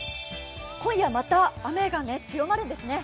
今夜また雨が強まるんですね。